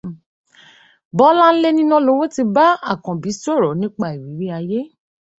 Bọ́láńlé Nínálowó ti bá Àkànbí sọ̀rọ̀ nípa ìrírí ayé